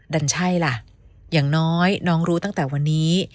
ดันใช่ล่ะอย่างน้อยน้องรู้ตั้งแต่วันนี้